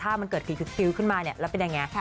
ถ้ามันเกิดคือคิวขึ้นมาเนี่ยแล้วเป็นยังไง